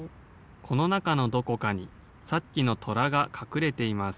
・このなかのどこかにさっきのとらがかくれています。